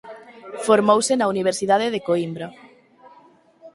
Formouse na Universidade de Coimbra.